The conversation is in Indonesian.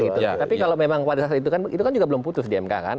tapi kalau memang wadah sasar itu kan itu kan juga belum putus di mk kan